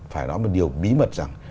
phải nói một điều bí mật rằng